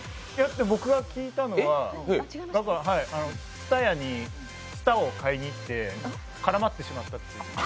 僕が聞いたのは、ＴＳＵＴＡＹＡにつたを買いに行って絡まってしまったって。